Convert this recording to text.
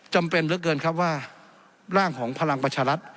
จำเป็นเหลือเกินครับว่าร่างของพลังประชารัฐ